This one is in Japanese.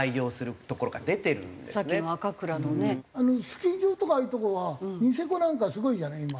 スキー場とかああいうとこはニセコなんかすごいじゃない今。